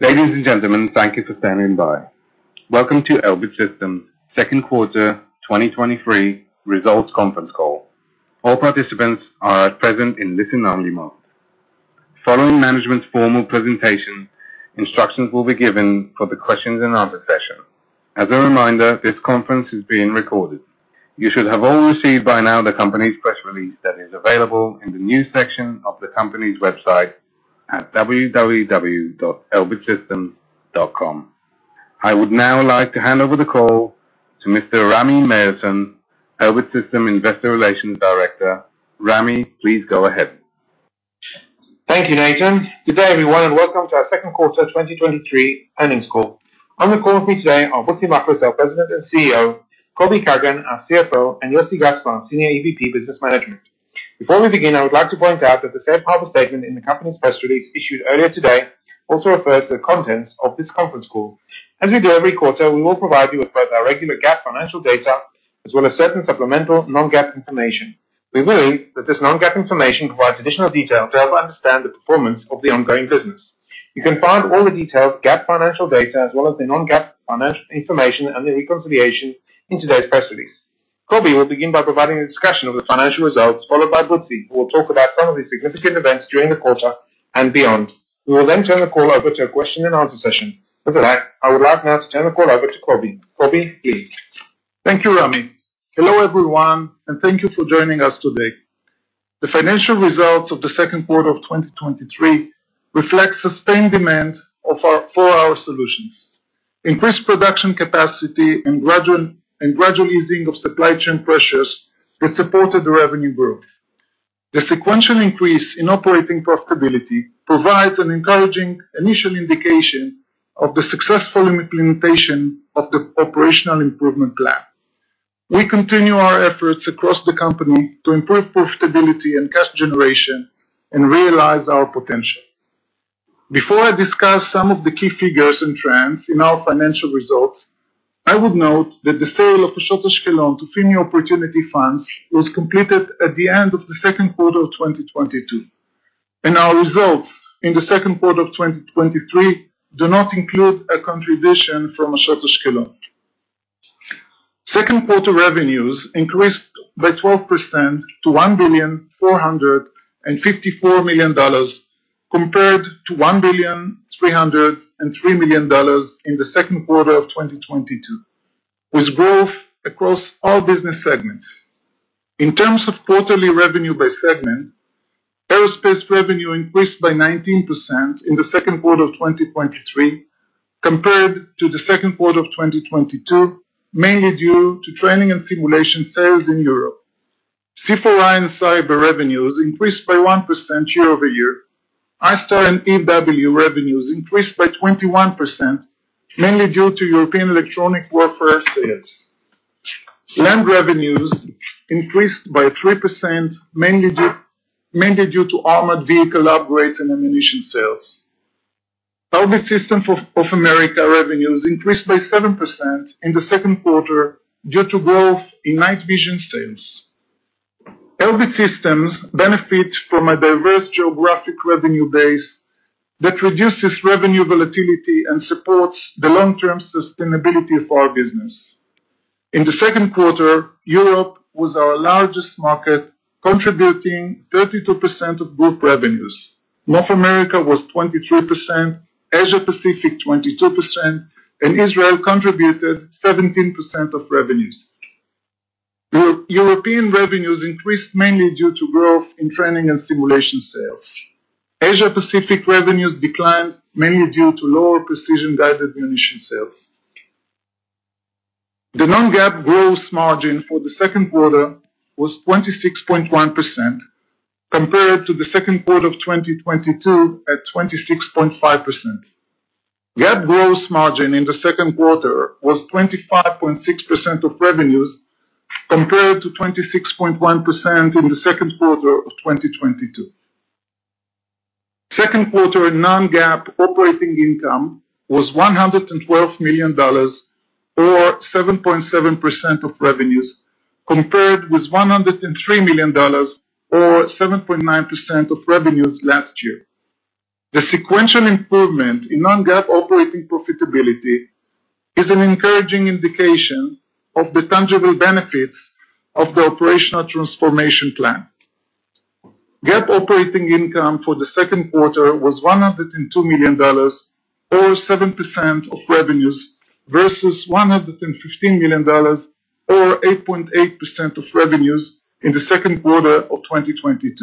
Ladies and gentlemen, thank you for standing by. Welcome to Elbit Systems' second quarter, 2023 results conference call. All participants are at present in listen-only mode. Following management's formal presentation, instructions will be given for the questions and answer session. As a reminder, this conference is being recorded. You should have all received by now the company's press release that is available in the news section of the company's website at www.elbitsystems.com. I would now like to hand over the call to Mr. Rami Myerson, Elbit Systems Investor Relations Director. Rami, please go ahead. Thank you, Nathan. Good day, everyone, and welcome to our second quarter 2023 earnings call. On the call with me today are Butzi Machlis, our President and CEO, Kobi Kagan, our CFO, and Yossi Gaspar, Senior EVP, Business Management. Before we begin, I would like to point out that the safe harbor statement in the company's press release, issued earlier today, also refers to the contents of this conference call. As we do every quarter, we will provide you with both our regular GAAP financial data as well as certain supplemental Non-GAAP information. We believe that this Non-GAAP information provides additional detail to help understand the performance of the ongoing business. You can find all the detailed GAAP financial data, as well as the Non-GAAP financial information and the reconciliation in today's press release. Kobi will begin by providing a discussion of the financial results, followed by Butzi, who will talk about some of the significant events during the quarter and beyond. We will turn the call over to a question and answer session. With that, I would like now to turn the call over to Kobi. Kobi, please. Thank you, Rami. Hello, everyone, thank you for joining us today. The financial results of the second quarter of 2023 reflect sustained demand for our solutions. Increased production capacity and gradual easing of supply chain pressures that supported the revenue growth. The sequential increase in operating profitability provides an encouraging initial indication of the successful implementation of the operational improvement plan. We continue our efforts across the company to improve profitability and cash generation and realize our potential. Before I discuss some of the key figures and trends in our financial results, I would note that the sale of Ashot Ashkelon to FIMI Opportunity Funds was completed at the end of the second quarter of 2022, and our results in the second quarter of 2023 do not include a contribution from Ashot Ashkelon. Second quarter revenues increased by 12% to $1.454 billion, compared to $1.303 billion in the second quarter of 2022, with growth across all business segments. In terms of quarterly revenue by segment, Aerospace revenue increased by 19% in the second quarter of 2023, compared to the second quarter of 2022, mainly due to training and simulation sales in Europe. C4I and Cyber revenues increased by 1% year-over-year. ISTAR and EW revenues increased by 21%, mainly due to European electronic warfare sales. Land revenues increased by 3%, mainly due, mainly due to armored vehicle upgrades and ammunition sales. Elbit Systems of America revenues increased by 7% in the second quarter due to growth in night vision sales. Elbit Systems benefit from a diverse geographic revenue base that reduces revenue volatility and supports the long-term sustainability of our business. In the second quarter, Europe was our largest market, contributing 32% of group revenues. North America was 23%, Asia Pacific, 22%, and Israel contributed 17% of revenues. European revenues increased mainly due to growth in training and simulation sales. Asia Pacific revenues declined, mainly due to lower Precision-Guided Ammunition sales. The non-GAAP gross margin for the second quarter was 26.1%, compared to the second quarter of 2022, at 26.5%. GAAP gross margin in the second quarter was 25.6% of revenues, compared to 26.1% in the second quarter of 2022. Second quarter in non-GAAP operating income was $112 million or 7.7% of revenues, compared with $103 million, or 7.9% of revenues last year. The sequential improvement in non-GAAP operating profitability is an encouraging indication of the tangible benefits of the operational transformation plan. GAAP operating income for the second quarter was $102 million or 7% of revenues, versus $115 million or 8.8% of revenues in the second quarter of 2022.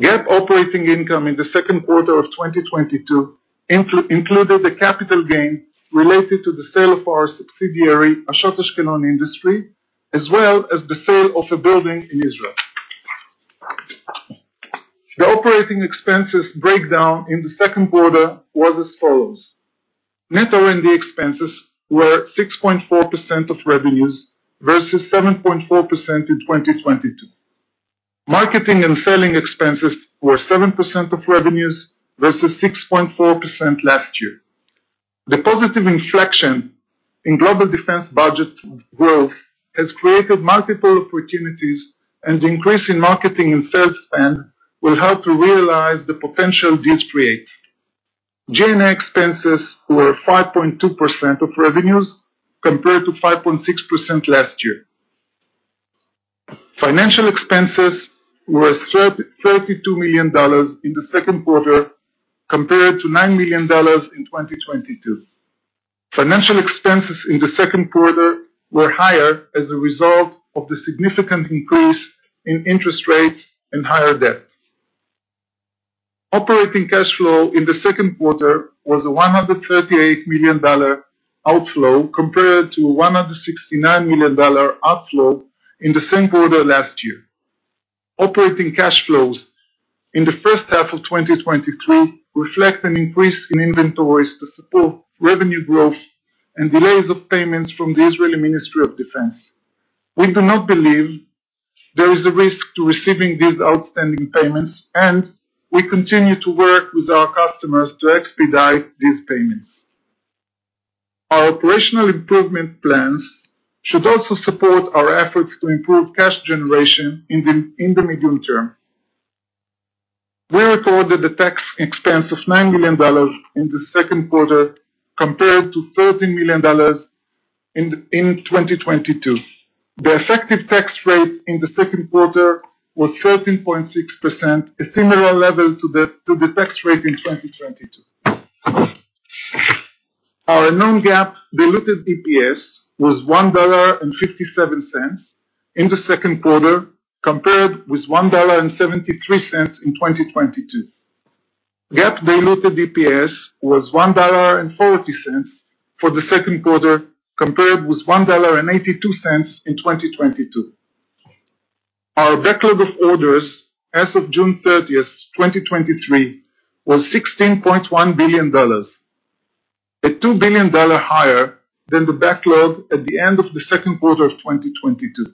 GAAP operating income in the second quarter of 2022 included a capital gain related to the sale of our subsidiary, Ashot Ashkelon Industries, as well as the sale of a building in Israel. The operating expenses breakdown in the second quarter was as follows: net R&D expenses were 6.4% of revenues, versus 7.4% in 2022. Marketing and selling expenses were 7% of revenues, versus 6.4% last year. The positive inflection in global defense budget growth has created multiple opportunities, the increase in marketing and sales spend will help to realize the potential this creates. G&A expenses were 5.2% of revenues, compared to 5.6% last year. Financial expenses were $32 million in the second quarter, compared to $9 million in 2022. Financial expenses in the second quarter were higher as a result of the significant increase in interest rates and higher debt. Operating cash flow in the second quarter was $138 million outflow, compared to $169 million outflow in the same quarter last year. Operating cash flows in the first half of 2023 reflect an increase in inventories to support revenue growth and delays of payments from the Israeli Ministry of Defense. We do not believe there is a risk to receiving these outstanding payments, and we continue to work with our customers to expedite these payments. Our operational improvement plans should also support our efforts to improve cash generation in the medium term. We recorded a tax expense of $9 million in the second quarter, compared to $13 million in 2022. The effective tax rate in the second quarter was 13.6%, a similar level to the tax rate in 2022. Our non-GAAP diluted EPS was $1.57 in the second quarter, compared with $1.73 in 2022. GAAP diluted EPS was $1.40 for the second quarter, compared with $1.82 in 2022. Our backlog of orders as of June 30th, 2023, was $16.1 billion, a $2 billion higher than the backlog at the end of the second quarter of 2022.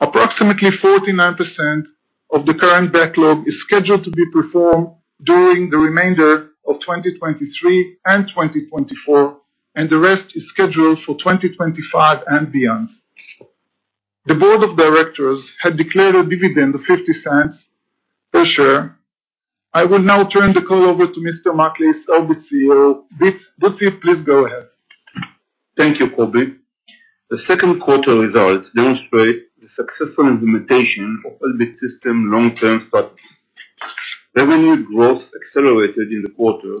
Approximately 49% of the current backlog is scheduled to be performed during the remainder of 2023 and 2024, and the rest is scheduled for 2025 and beyond. The Board of Directors had declared a dividend of $0.50 per share. I will now turn the call over to Mr. Machlis, Elbit CEO. Please go ahead. Thank you, Kobi. The second quarter results demonstrate the successful implementation of Elbit Systems' long-term strategy. Revenue growth accelerated in the quarter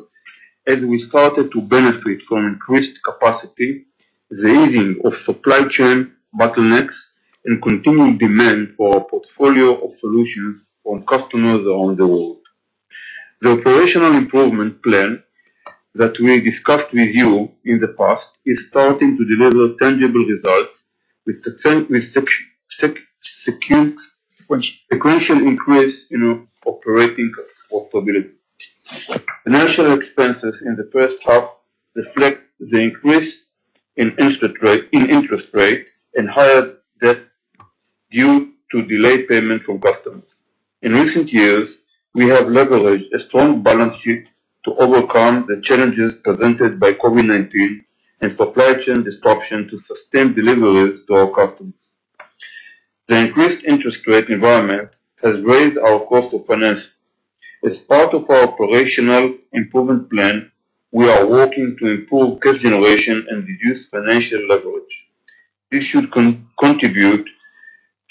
as we started to benefit from increased capacity, the easing of supply chain bottlenecks, and continued demand for our portfolio of solutions from customers around the world. The operational improvement plan that we discussed with you in the past is starting to deliver tangible results with the same, with. Sequence. -sequential increase in operating affordability. Financial expenses in the 1st half reflect the increase in interest rate and higher debt due to delayed payment from customers. In recent years, we have leveraged a strong balance sheet to overcome the challenges presented by COVID-19 and supply chain disruption to sustain deliveries to our customers. The increased interest rate environment has raised our cost of financing. As part of our operational improvement plan, we are working to improve cash generation and reduce financial leverage. This should contribute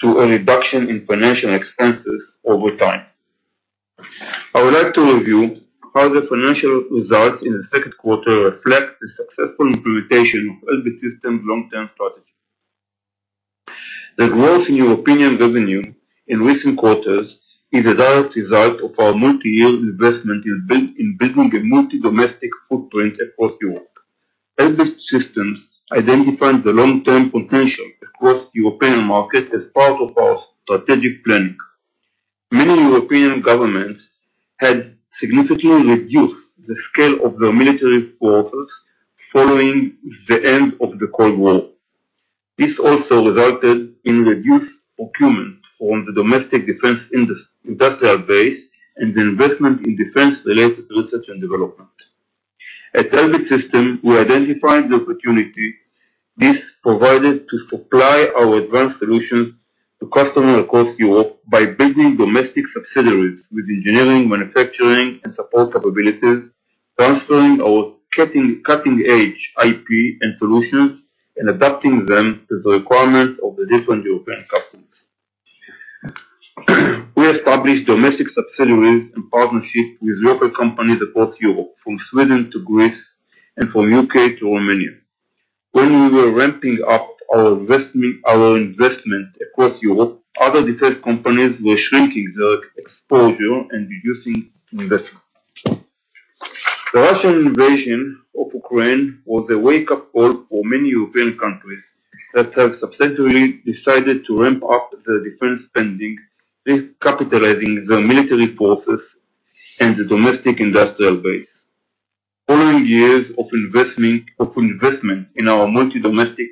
to a reduction in financial expenses over time. I would like to review how the financial results in the 2nd quarter reflect the successful implementation of Elbit Systems' long-term strategy. The growth in European revenue in recent quarters is a direct result of our multi-year investment in building a multi-domestic footprint across Europe. Elbit Systems identified the long-term potential across European market as part of our strategic planning. Many European governments had significantly reduced the scale of their military forces following the end of the Cold War. This also resulted in reduced procurement from the domestic defense industrial base and the investment in defense-related research and development. At Elbit Systems, we identified the opportunity this provided to supply our advanced solutions to customers across Europe by building domestic subsidiaries with engineering, manufacturing, and support capabilities, transferring our cutting-edge IP and solutions, and adapting them to the requirements of the different European customers. We established domestic subsidiaries and partnerships with local companies across Europe, from Sweden to Greece and from U.K. to Romania. When we were ramping up our investment across Europe, other defense companies were shrinking their exposure and reducing investment. The Russian invasion of Ukraine was a wake-up call for many European countries that have subsequently decided to ramp up their defense spending, recapitalizing their military forces and the domestic industrial base. Following years of investing, of investment in our multi-domestic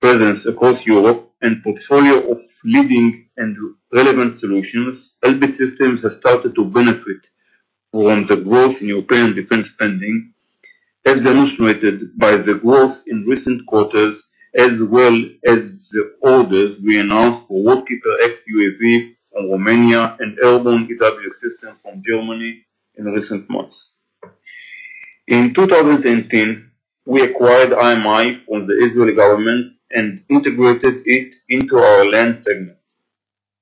presence across Europe and portfolio of leading and relevant solutions, Elbit Systems has started to benefit from the growth in European defense spending, as demonstrated by the growth in recent quarters, as well as the orders we announced for Watchkeeper X UAV from Romania and airborne EW system from Germany in recent months. In 2018, we acquired IMI from the Israeli government and integrated it into our land segment.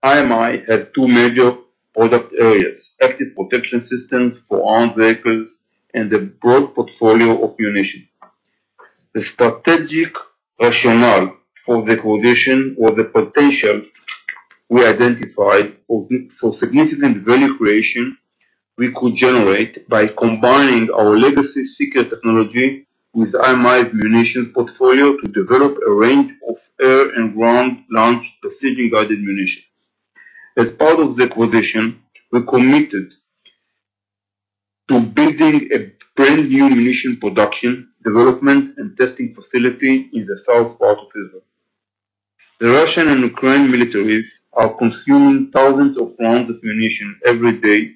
IMI has two major product areas: active protection systems for armored vehicles and a broad portfolio of munition. The strategic rationale for the acquisition was the potential we identified for significant value creation we could generate by combining our legacy seeker technology with IMI's munition portfolio to develop a range of air and ground-launched Precision-Guided Munitions. As part of the acquisition, we committed to building a brand new munition production, development, and testing facility in the south part of Israel. The Russian and Ukraine militaries are consuming thousands of rounds of munition every day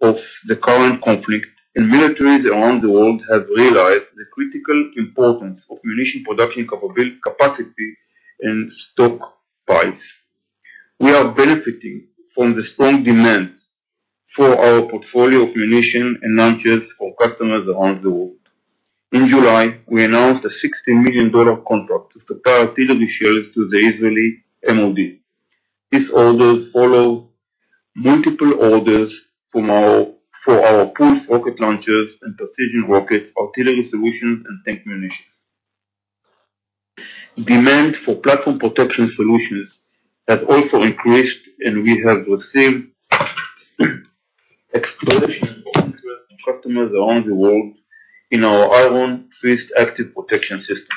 of the current conflict, and militaries around the world have realized the critical importance of munition production capacity and stockpiles. We are benefiting from the strong demand for our portfolio of munition and launchers for customers around the world. In July, we announced a $60 million contract to supply artillery shells to the Israeli MOD. These orders follow multiple orders for our PULS rocket launchers and precision rockets, artillery solutions, and tank munition. Demand for platform protection solutions has also increased. We have received exploration of interest from customers around the world in our Iron Fist active protection system.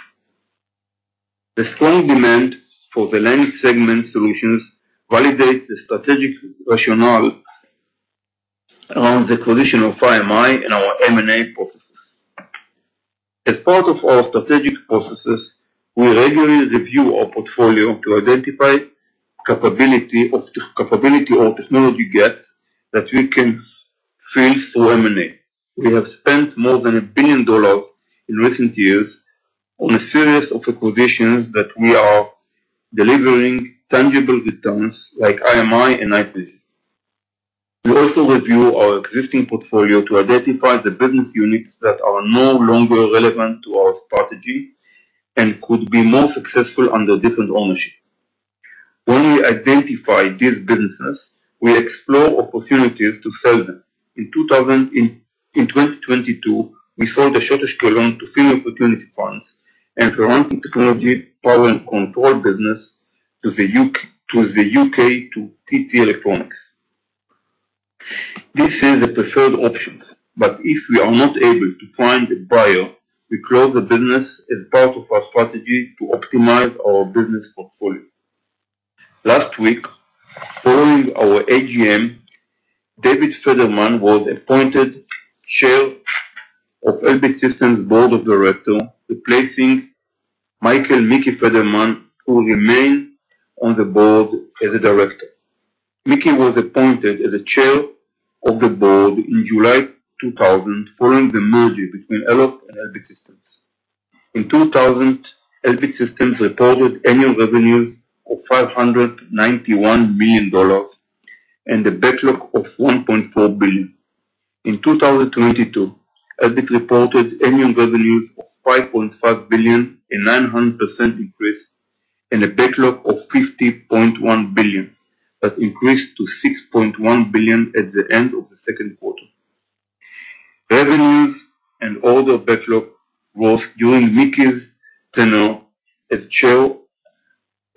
The strong demand for the land segment solutions validates the strategic rationale around the acquisition of IMI and our M&A processes. As part of our strategic processes, we regularly review our portfolio to identify capability or technology gap that we can fill through M&A. We have spent more than $1 billion in recent years on a series of acquisitions that we are delivering tangible returns, like IMI and IMB. We also review our existing portfolio to identify the business units that are no longer relevant to our strategy and could be more successful under different ownership. When we identify these businesses, we explore opportunities to sell them. In 2022, we sold the Ashot Ashkelon Industries (Ashkelon) to FIMI Opportunity Funds and for Ferranti technology, power, and control business to the U.K., to the U.K., to TT Electronics. This is the preferred option, but if we are not able to find a buyer, we close the business as part of our strategy to optimize our business portfolio. Last week, following our AGM, David Federmann was appointed Chair of Elbit Systems Board of Directors, replacing Michael Mickey Federmann, who remained on the board as a director. Mickey was appointed as the chair of the board in July 2000, following the merger between Elop and Elbit Systems. In 2000, Elbit Systems reported annual revenues of $591 million and a backlog of $1.4 billion. In 2022, Elbit reported annual revenues of $5.5 billion, a 900% increase, and a backlog of $50.1 billion, that increased to $6.1 billion at the end of the second quarter. Revenues and order backlog growth during Mickey's tenure as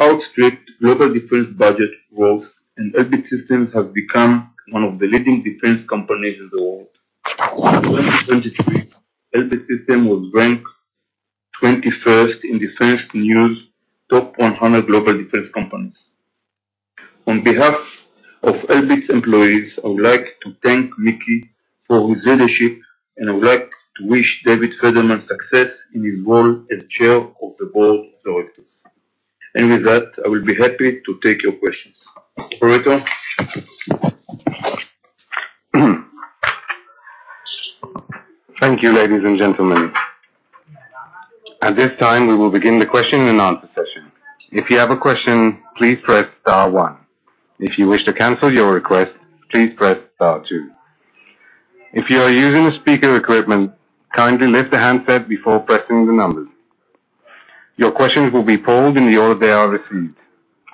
chair, outstripped global defense budget growth. Elbit Systems have become one of the leading defense companies in the world. In 2023, Elbit Systems was ranked 21st in Defense News Top 100 Global Defense Companies. On behalf of Elbit's employees, I would like to thank Mickey for his leadership. I would like to wish David Federmann success in his role as Chair of the Board of Directors. With that, I will be happy to take your questions. Operator? Thank you, ladies and gentlemen. At this time, we will begin the question and answer session. If you have a question, please press star one. If you wish to cancel your request, please press star two. If you are using a speaker equipment, kindly lift the handset before pressing the numbers. Your questions will be polled in the order they are received.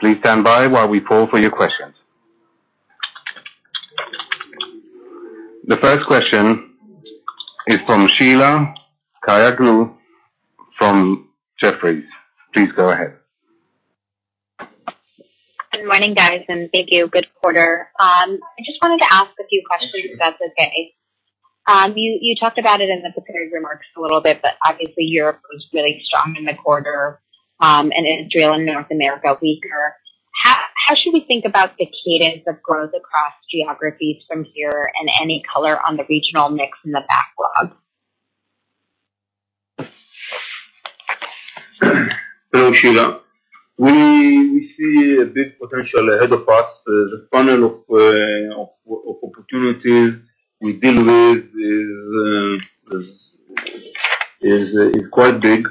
Please stand by while we poll for your questions. The first question is from Sheila Kahyaoglu, from Jefferies. Please go ahead. Good morning, guys, and thank you. Good quarter. I just wanted to ask a few questions, if that's okay. You talked about it in the prepared remarks a little bit, but obviously, Europe was really strong in the quarter, and Israel and North America, weaker... How should we think about the cadence of growth across geographies from here, and any color on the regional mix in the backlog? Hello, Sheila. We, we see a big potential ahead of us. The funnel of, of, of opportunities we deal with is, is quite big.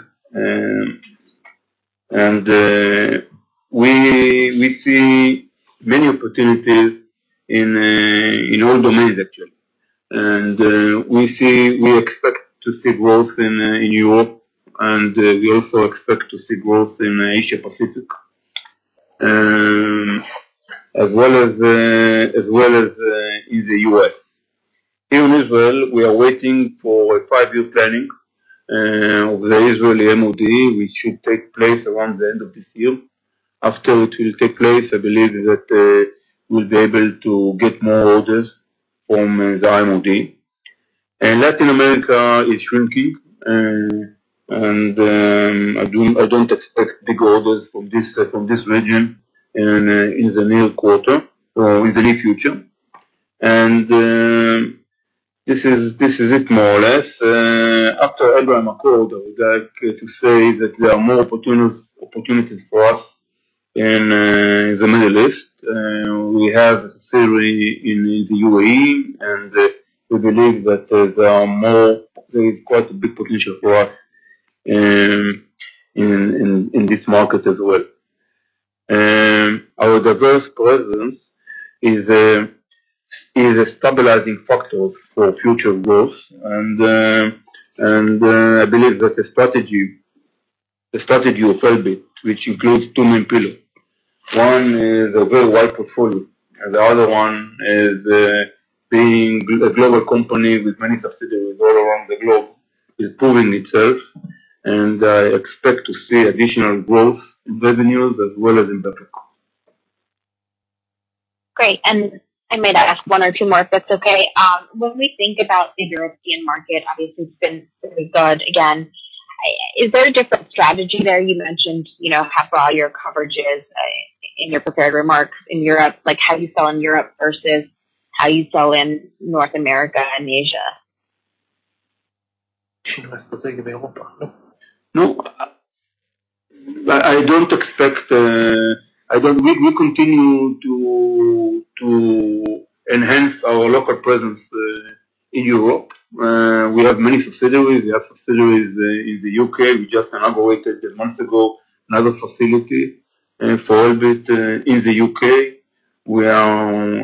We, we see many opportunities in all domains, actually. We expect to see growth in Europe, and we also expect to see growth in Asia Pacific, as well as, as well as, in the U.S. Here in Israel, we are waiting for a 5-year planning of the Israeli MOD, which should take place around the end of this year. After it will take place, I believe that we'll be able to get more orders from the MOD. Latin America is shrinking, and I do, I don't expect big orders from this, from this region and in the near quarter, or in the near future. This is, this is it more or less. After I bring my call, though, I'd like to say that there are more opportunities for us in the Middle East. We have a theory in, in the U.A.E., and we believe that There is quite a big potential for us in, in, in this market as well. Our diverse presence is a, is a stabilizing factor for future growth, and and I believe that the strategy, the strategy of Elbit, which includes two main pillars. One is a very wide portfolio, and the other one is, being a global company with many subsidiaries all around the globe, is proving itself, and I expect to see additional growth in revenues as well as in profit. Great, I might ask one or two more, if that's okay? When we think about the European market, obviously it's been really good. Again, is there a different strategy there? You mentioned, you know, how for all your coverages, in your prepared remarks in Europe, like, how you sell in Europe versus how you sell in North America and Asia. She wants to take Europe. No, I, I don't expect. We, we continue to, to enhance our local presence in Europe. We have many subsidiaries. We have subsidiaries in, in the U.K. We just inaugurated 1 month ago, another facility for Elbit in the U.K. We are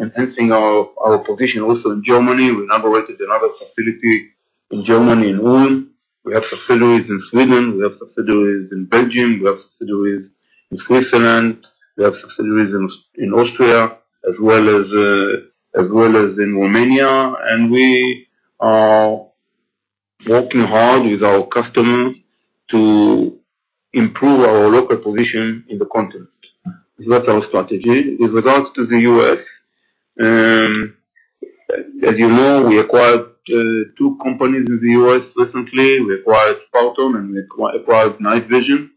enhancing our, our position also in Germany. We inaugurated another facility in Germany, in Ulm. We have subsidiaries in Sweden, we have subsidiaries in Belgium, we have subsidiaries in Switzerland, we have subsidiaries in, in Austria, as well as, as well as in Romania. We are working hard with our customers to improve our local position in the continent. That's our strategy. With regards to the U.S., as you know, we acquired 2 companies in the U.S. recently. We acquired Sparton, and we acquired Night Vision,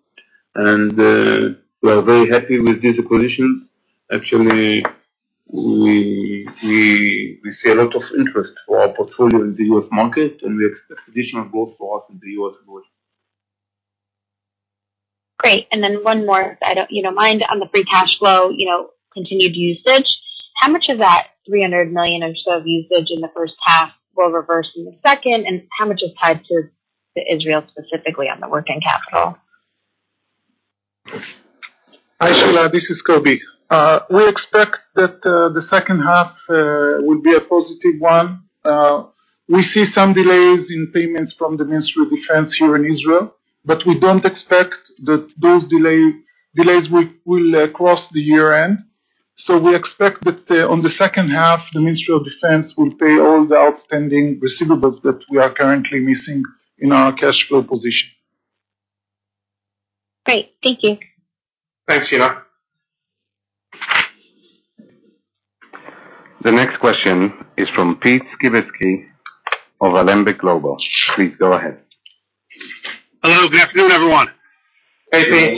and we are very happy with these acquisitions. Actually, we see a lot of interest for our portfolio in the U.S. market, and we expect additional growth for us in the U.S. as well. Great, one more, if I don't, you don't mind, on the free cash flow, you know, continued usage. How much of that $300 million or so of usage in the first half will reverse in the second, and how much is tied to Israel, specifically on the working capital? Hi, Sheila, this is Kobi. We expect that the second half will be a positive one. We see some delays in payments from the Ministry of Defense here in Israel, but we don't expect that those delay, delays will, will cross the year-end. We expect that on the second half, the Ministry of Defense will pay all the outstanding receivables that we are currently missing in our cash flow position. Great. Thank you. Thanks, Sheila. The next question is from Pete Skibitski of Alembic Global. Please go ahead. Hello, good afternoon, everyone. Hey, Pete.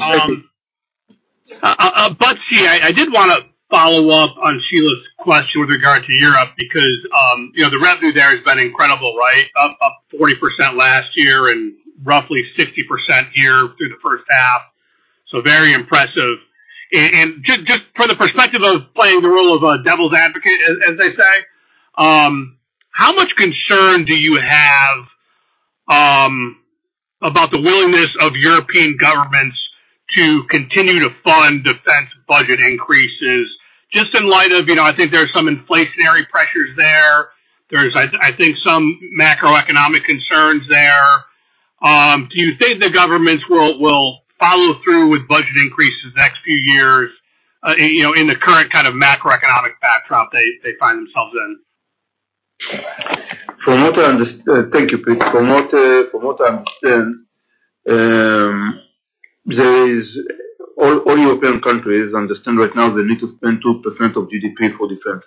Butzi, I, I did wanna follow up on Sheila's question with regard to Europe, because, you know, the revenue there has been incredible, right? Up, up 40% last year and roughly 50% year through the first half, so very impressive. Just, just for the perspective of playing the role of a devil's advocate, as, as they say, how much concern do you have about the willingness of European governments to continue to fund defense budget increases? Just in light of, you know, I think there are some inflationary pressures there. There's I, I think, some macroeconomic concerns there. Do you think the governments will, will follow through with budget increases the next few years, you know, in the current kind of macroeconomic backdrop they, they find themselves in? Thank you, Pete. From what I understand, all European countries understand right now they need to spend 2% of GDP for defense.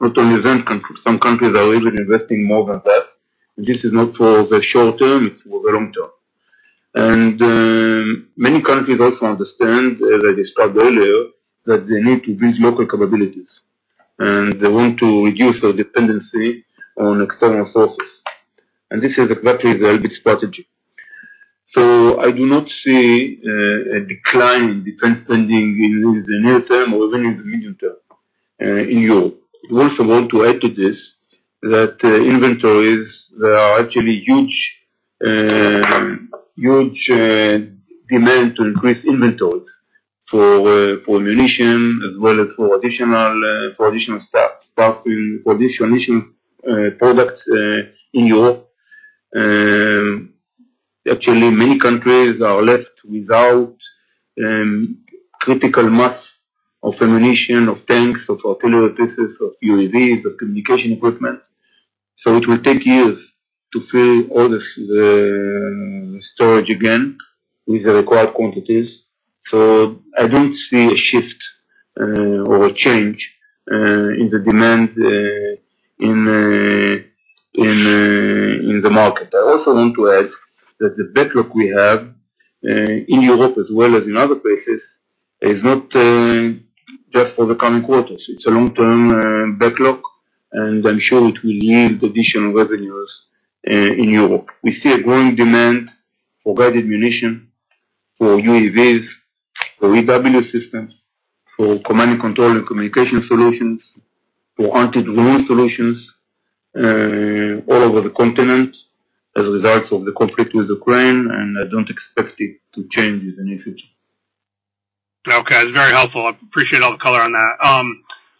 Not only them, some countries are even investing more than that. This is not for the short term, it's for the long term. Many countries also understand, as I described earlier, that they need to build local capabilities, and they want to reduce their dependency on external sources. This is exactly the Elbit strategy. I do not see a decline in defense spending in the near term or even in the medium term in Europe. I also want to add to this, that inventories, there are actually huge, huge demand to increase inventories for for ammunition as well as for additional for additional mission products in Europe. Actually, many countries are left without critical mass of ammunition, of tanks, of artillery pieces, of UAVs, of communication equipment. It will take years to fill all this storage again with the required quantities. I don't see a shift or a change in the demand in in in the market. I also want to add that the backlog we have in Europe as well as in other places, is not just for the coming quarters. It's a long-term backlog, and I'm sure it will yield additional revenues in Europe. We see a growing demand for guided ammunition, for UAVs, for EW system, for command and control and communication solutions, for anti-drone solutions, all over the continent as a result of the conflict with Ukraine. I don't expect it to change in the near future. Okay. It's very helpful. I appreciate all the color on that.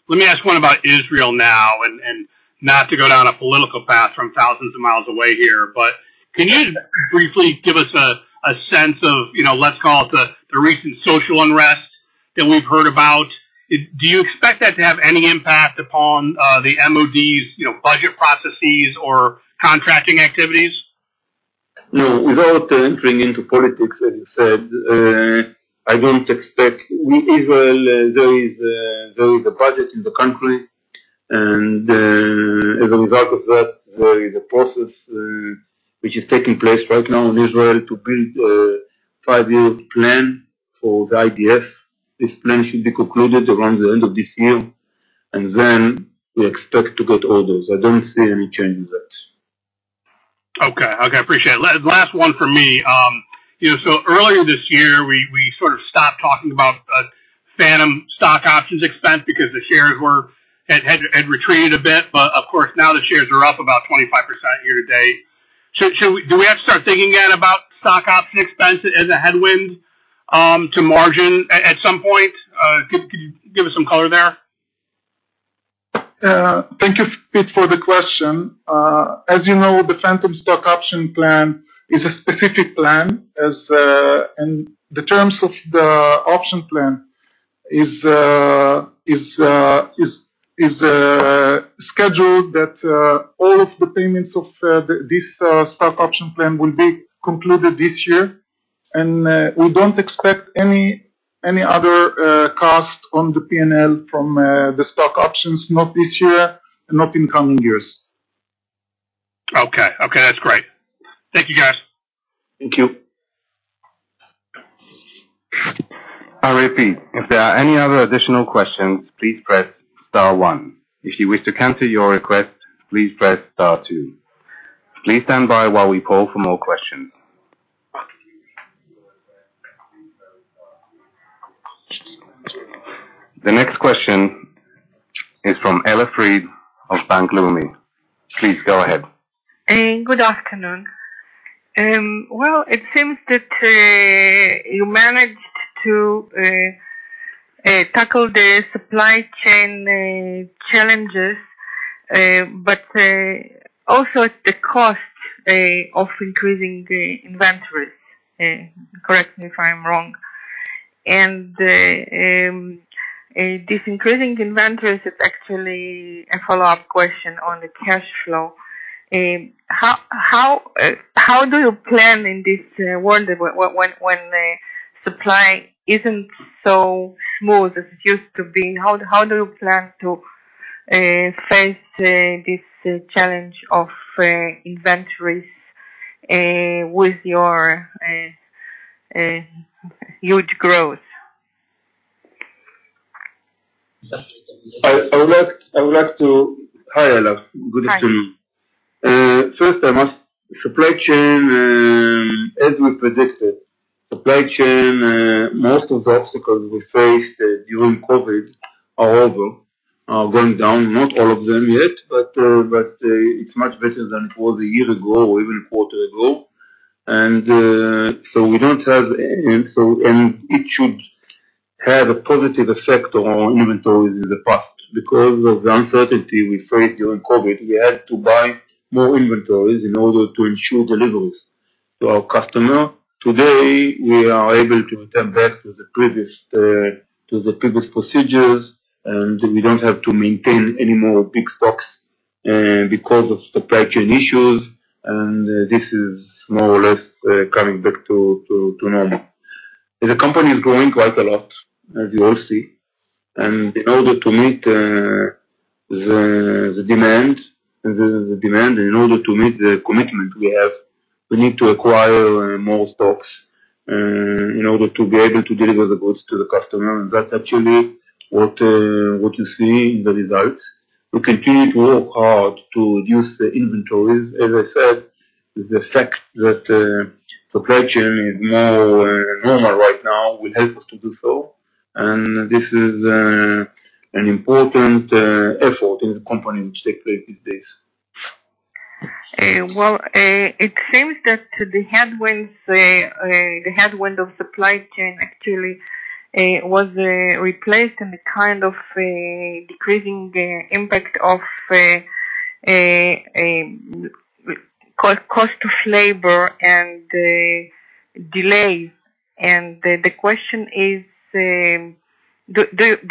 Let me ask one about Israel now, and, and not to go down a political path from thousands of miles away here, but can you briefly give us a, a sense of, you know, let's call it the, the recent social unrest that we've heard about? Do you expect that to have any impact upon the MOD's, you know, budget processes or contracting activities? No. Without entering into politics, as you said, I don't expect... Israel, there is, there is a budget in the country, and, as a result of that, there is a process, which is taking place right now in Israel to build a five-year plan for the IDF. This plan should be concluded around the end of this year, and then we expect to get orders. I don't see any change in that. Okay. Okay, I appreciate it. Last one for me. You know, so earlier this year, we, we sort of stopped talking about phantom stock options expense because the shares were, had, had, had retreated a bit. Of course, now the shares are up about 25% year to date. Should, should we do we have to start thinking again about stock option expense as a headwind, to margin at some point? Could, could you give us some color there? Thank you, Pete, for the question. As you know, the phantom stock option plan is a specific plan. The terms of the option plan is scheduled that, all of the payments of this stock option plan will be concluded this year. We don't expect any, any other cost on the P&L from the stock options, not this year and not in coming years. Okay. Okay, that's great. Thank you, guys. Thank you. I repeat, if there are any other additional questions, please press star one. If you wish to cancel your request, please press star two. Please stand by while we call for more questions. The next question is from Ella Fried of Bank Leumi. Please go ahead. Good afternoon. Well, it seems that you managed to tackle the supply chain challenges, but also at the cost of increasing the inventories. Correct me if I'm wrong. This increasing inventories is actually a follow-up question on the cash flow. How, how do you plan in this world when, when, when, when supply isn't so smooth as it used to be? How, how do you plan to face this challenge of inventories with your huge growth? Hi, Ella. Hi. Good afternoon. First, I must-- supply chain, as we predicted, supply chain, most of the obstacles we faced during COVID are over, are going down. Not all of them yet, but, but, it's much better than it was a year ago or even quarter ago. We don't have, it should have a positive effect on our inventories in the past. Because of the uncertainty we faced during COVID, we had to buy more inventories in order to ensure deliveries to our customer. Today, we are able to return back to the previous procedures. We don't have to maintain any more big stocks because of supply chain issues, and this is more or less coming back to normal. The company is growing quite a lot, as you all see, and in order to meet, the, the demand, the, the demand, in order to meet the commitment we have, we need to acquire, more stocks, in order to be able to deliver the goods to the customer. That's actually what, what you see in the results. We continue to work hard to reduce the inventories. As I said, the fact that, supply chain is more, normal right now will help us to do so, and this is, an important, effort in the company which takes place these days. Well, it seems that the headwinds, the headwind of supply chain actually, was replaced, and the kind of, decreasing the impact of, cost of labor and, delay. The, the question is, do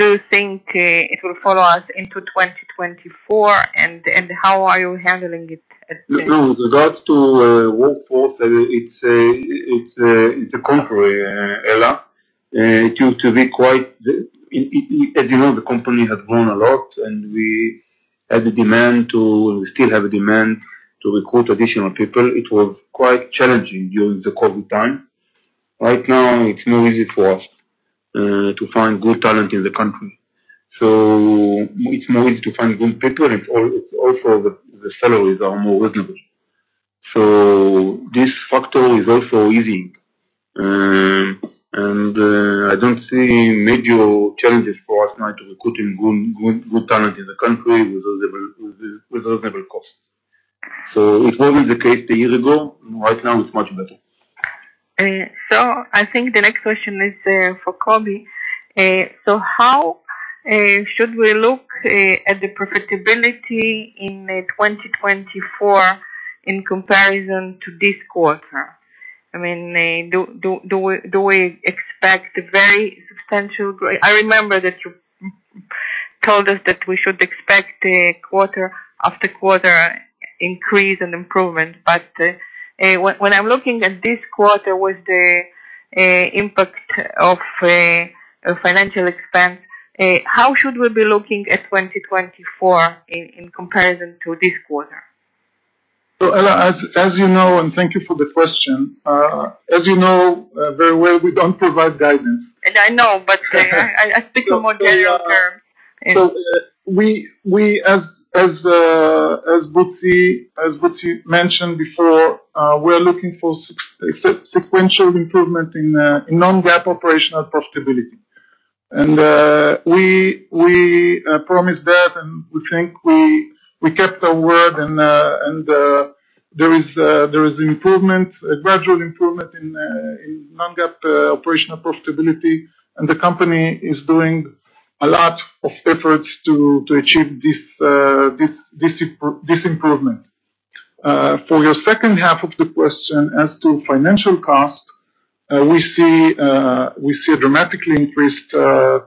you think, it will follow us into 2024, and, how are you handling it as-? No, regards to workforce, it's, it's, it's the contrary, Ella. To, to be quite the... As you know, the company has grown a lot, and we had the demand to, we still have a demand to recruit additional people. It was quite challenging during the COVID time. Right now, it's more easy for us to find good talent in the country. It's more easy to find good people, and it's also the, the salaries are more reasonable. This factor is also easing. I don't see major challenges for us now to recruiting good, good, good talent in the country with reasonable cost. It wasn't the case a year ago, right now it's much better. I think the next question is for Kobi. How should we look at the profitability in 2024 in comparison to this quarter? I mean, do, do, do we, do we expect a very substantial grow- I remember that you told us that we should expect a quarter after quarter increase and improvement, but when, when I'm looking at this quarter, with the impact of a financial expense, how should we be looking at 2024 in comparison to this quarter? Ella, as, as you know, and thank you for the question. as you know, very well, we don't provide guidance. I know, but, I, I speak in more general terms. we, we, as, as, as Butzi, as Butzi mentioned before, we are looking for sequential improvement in non-GAAP operational profitability. we, we promised that, and we think we, we kept our word, and, and there is, there is improvement, a gradual improvement in non-GAAP operational profitability, and the company is doing a lot of efforts to, to achieve this, this improvement. For your second half of the question, as to financial cost, we see, we see a dramatically increased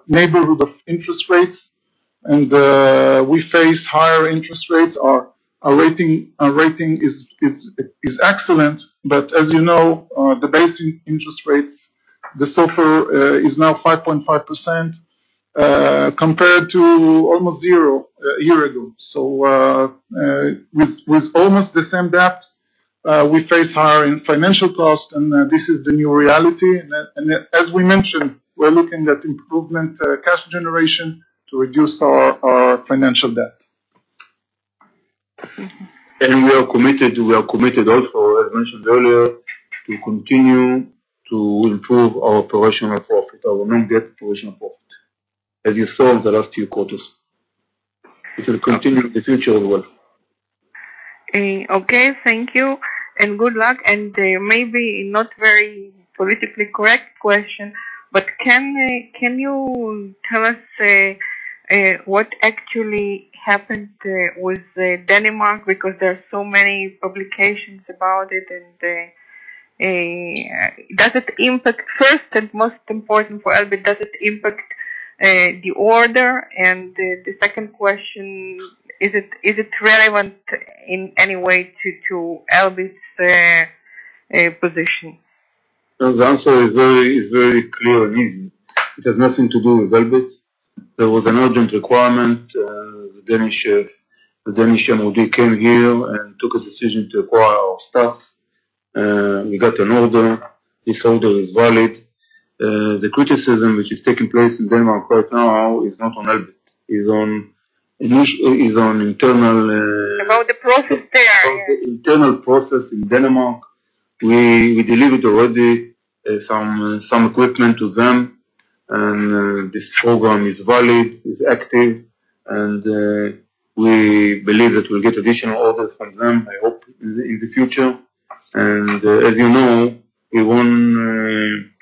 neighborhood of interest rates, and we face higher interest rates. Our, our rating, our rating is, is, is excellent, but as you know, the base interest rates, the SOFR, is now 5.5%, compared to almost zero, a year ago. With, with almost the same debt, we face higher in financial costs, and this is the new reality. As, and as we mentioned, we're looking at improvement, cash generation to reduce our, our financial debt. we are committed, we are committed also, as mentioned earlier, to continue to improve our operational profit, our non-GAAP operational profit, as you saw in the last few quarters. It will continue in the future as well. Okay, thank you, and good luck. Maybe not very politically correct question, but can you tell us what actually happened with Denmark? Because there are so many publications about it, does it impact... First, and most important for Elbit, does it impact the order? The second question, is it relevant in any way to Elbit's position? The answer is very clear and easy. It has nothing to do with Elbit. There was an urgent requirement. The Danish MOD came here and took a decision to acquire our stock, and we got an order. This order is valid. The criticism which is taking place in Denmark right now is not on Elbit, is on internal. About the process there. About the internal process in Denmark. We, we delivered already, some, some equipment to them, and, this program is valid, is active, and, we believe that we'll get additional orders from them, I hope, in the, in the future. As you know, we won,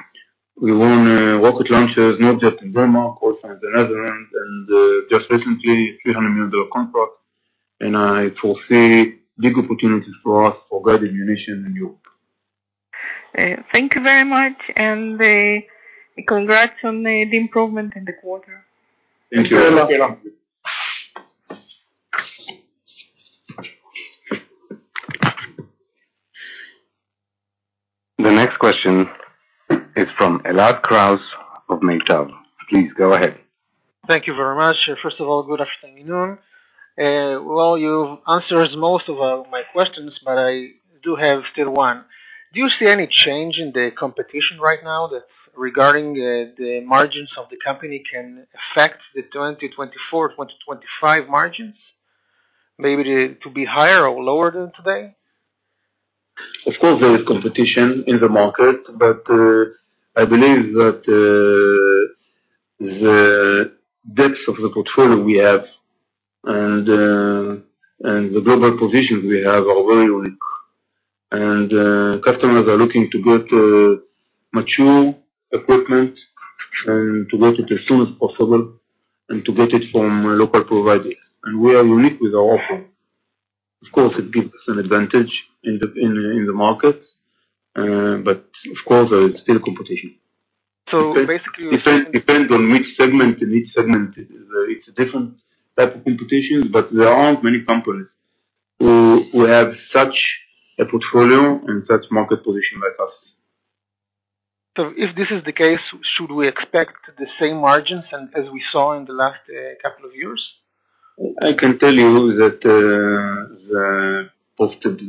we won, rocket launchers, not just in Denmark, also in the Netherlands, and, just recently, $300 million contract. I foresee big opportunities for us for guided ammunition in Europe. Thank you very much, and congrats on the improvement in the quarter. Thank you. Thank you, Ella. The next question is from Elad Kraus of Meitav. Please go ahead. Thank you very much. First of all, good afternoon. Well, you've answered most of my questions. I do have still one. Do you see any change in the competition right now that regarding the margins of the company can affect the 2024, 2025 margins? Maybe to be higher or lower than today? Of course, there is competition in the market, but, I believe that, the depth of the portfolio we have and, and the global positions we have are very unique. Customers are looking to get, mature equipment and to get it as soon as possible and to get it from local providers. We are unique with our offer. Of course, it gives us an advantage in the, in, in the market, but of course, there is still competition. So basically- It depends, depends on which segment. In each segment, it's a different type of competition, but there aren't many companies who have such a portfolio and such market position like us. If this is the case, should we expect the same margins as, as we saw in the last couple of years? I can tell you that,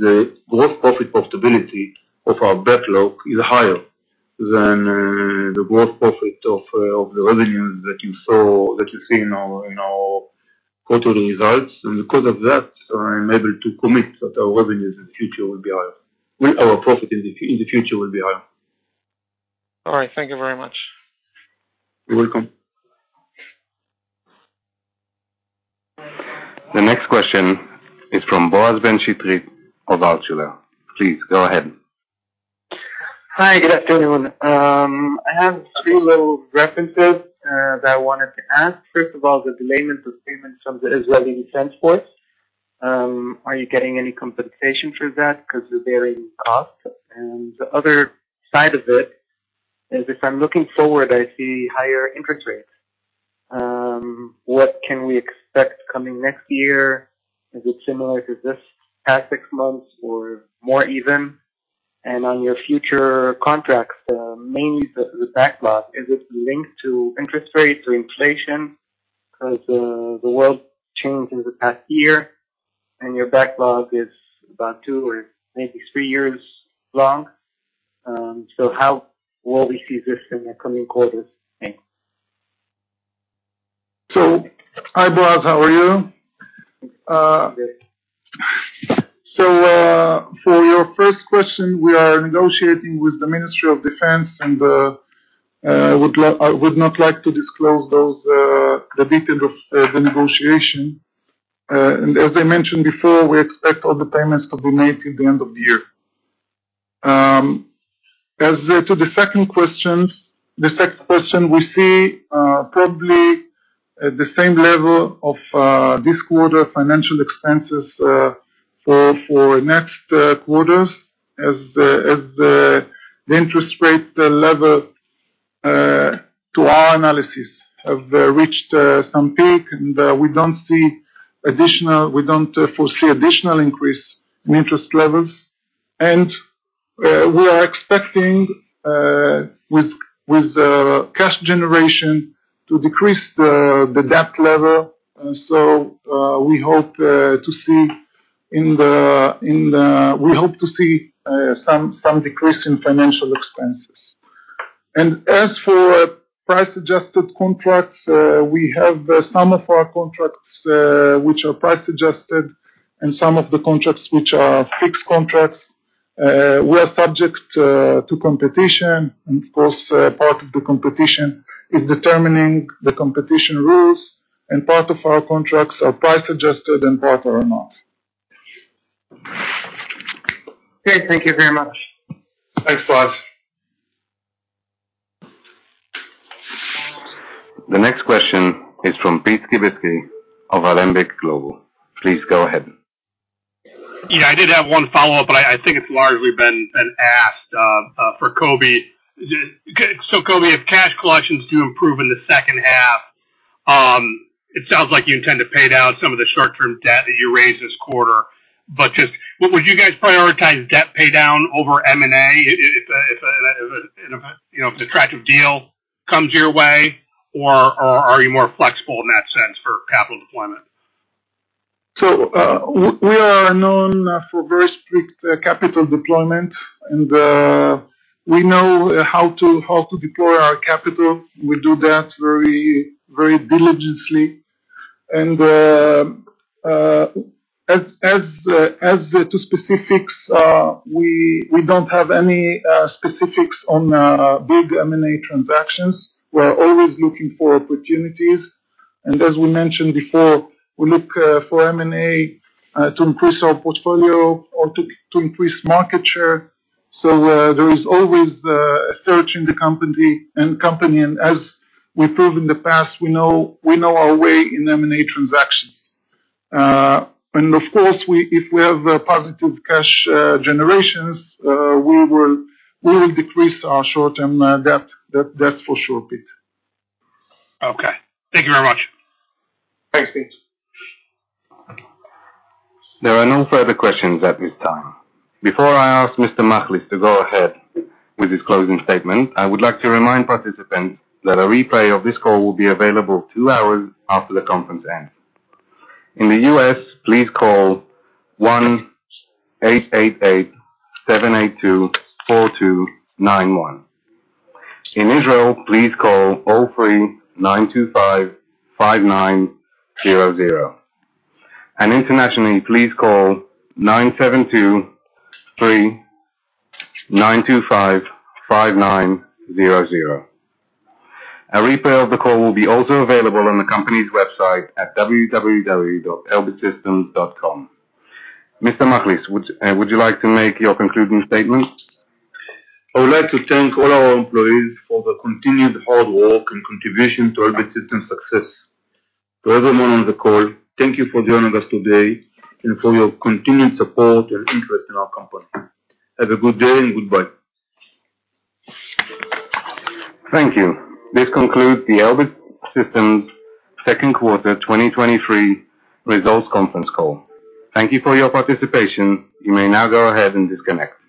The gross profit profitability of our backlog is higher than the gross profit of the revenues that you see in our quarterly results. Because of that, I'm able to commit that our revenues in the future will be higher. Our profit in the, in the future will be higher. All right. Thank you very much. You're welcome. The next question is from Boaz Ben-Shitrit of Archimedes. Please, go ahead. Hi, good afternoon. I have three little references, that I wanted to ask. First of all, the delayment of payments from the Israeli Defense Forces. Are you getting any compensation for that? Because the varying costs. The other side of it is, if I'm looking forward, I see higher interest rates. What can we expect coming next year? Is it similar to this past six months or more even? On your future contracts, mainly the, the backlog, is it linked to interest rates or inflation? Because, the world changed in the past year, and your backlog is about two or maybe three years long. How will we see this in the coming quarters? Thanks. Hi, Boaz. How are you? Good. For your first question, we are negotiating with the Ministry of Defense, and I would not like to disclose those the details of the negotiation. As I mentioned before, we expect all the payments to be made till the end of the year. As to the second question, we see probably at the same level of this quarter financial expenses for next quarters, as the interest rate level to our analysis, have reached some peak, and we don't foresee additional increase in interest levels. We are expecting with cash generation to decrease the debt level. We hope to see some, some decrease in financial expenses. As for price-adjusted contracts, we have some of our contracts, which are price-adjusted, and some of the contracts, which are fixed contracts. We are subject to competition, and of course, part of the competition is determining the competition rules, and part of our contracts are price-adjusted and part are not. Okay. Thank you very much. Thanks, Boaz. The next question is from Pete Skibitski of Alembic Global. Please go ahead. Yeah. I did have one follow-up, but I, I think it's largely been, been asked for Kobi. Kobi, if cash collections do improve in the second half, it sounds like you intend to pay down some of the short-term debt that you raised this quarter. Just, would, would you guys prioritize debt paydown over M&A if a, if a, if, you know, if an attractive deal comes your way, or, or are you more flexible in that sense for capital deployment? We, we are known for very strict capital deployment, and we know how to, how to deploy our capital. We do that very, very diligently. As, as, as to specifics, we, we don't have any specifics on big M&A transactions. We are always looking for opportunities, and as we mentioned before, we look for M&A to increase our portfolio or to, to increase market share. There is always a search in the company, and as we proved in the past, we know, we know our way in M&A transactions. Of course, if we have a positive cash generations, we will, we will decrease our short-term debt. That, that's for sure, Pete. Okay. Thank you very much. Thanks, Pete. There are no further questions at this time. Before I ask Mr. Machlis to go ahead with his closing statement, I would like to remind participants that a replay of this call will be available two hours after the conference ends. In the U.S., please call 1-888-782-4291. In Israel, please call 03-925-5900. Internationally, please call 972-3925-5900. A replay of the call will be also available on the company's website at www.Elbit Systems.com. Mr. Machlis, would you like to make your concluding statements? I would like to thank all our employees for the continued hard work and contribution to Elbit Systems success. To everyone on the call, thank you for joining us today and for your continued support and interest in our company. Have a good day, and goodbye. Thank you. This concludes the Elbit Systems second quarter 2023 results conference call. Thank you for your participation. You may now go ahead and disconnect.